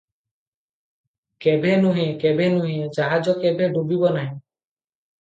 କେଭେଁ ନୁହେ - କେଭେଁ ନୁହେ - ଜାହାଜ କେଭେଁ ଡୁବିବ ନାହିଁ ।